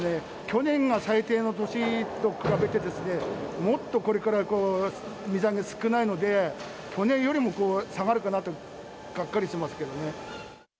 去年が最低の年と比べて、もっとこれから水揚げ少ないので、去年よりも下がるかなと、がっかりしてますけどね。